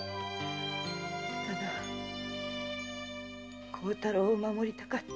ただ孝太郎を守りたかった。